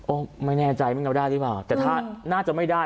ไม่แน่ใจมันเอาได้หรือเปล่าแต่ถ้าน่าจะไม่ได้